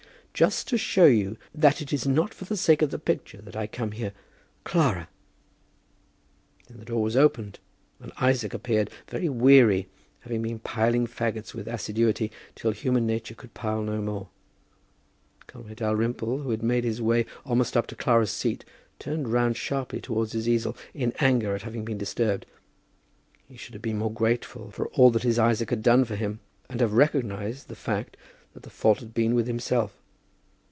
"Just to show you that it is not for the sake of the picture that I come here. Clara " Then the door was opened, and Isaac appeared, very weary, having been piling fagots with assiduity, till human nature could pile no more. Conway Dalrymple, who had made his way almost up to Clara's seat, turned round sharply towards his easel, in anger at having been disturbed. He should have been more grateful for all that his Isaac had done for him, and have recognized the fact that the fault had been with himself.